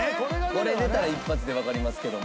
これ出たら一発でわかりますけども。